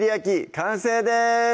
完成です